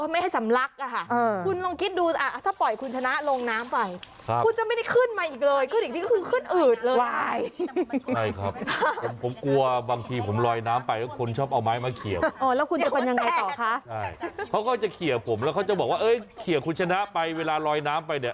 ไม่ให้สำลักค่ะคุณลองคิดดูถ้าปล่อยคุณชนะลงน้ำไป